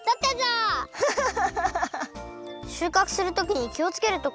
しゅうかくするときにきをつけるところはなんですか？